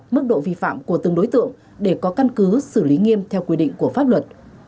mức độ vi phạm của từng đối tượng để có căn cứ xử lý nghiêm theo quy định của pháp luật